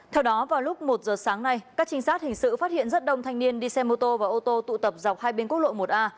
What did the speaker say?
theo đó vào lúc một giờ sáng nay các trinh sát hình sự phát hiện rất đông thanh niên đi xe mô tô và ô tô tụ tập dọc hai bên quốc lộ một a